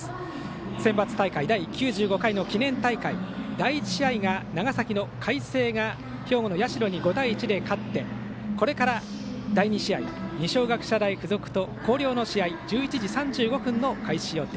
センバツ大会第９５回の記念大会第１試合、長崎の海星が兵庫の社に５対１で勝ってこれから第２試合二松学舎大付属と広陵の試合、１１時３５分の開始予定。